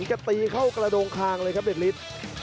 แกตีเข้ากระโดงคางเลยครับเดชฤทธิ์